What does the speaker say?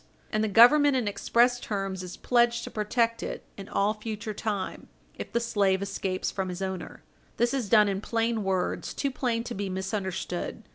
And the Government in express terms is pledged to protect Page 60 U. S. 452 it in all future time if the slave escapes from his owner. This is done in plain words too plain to be misunderstood.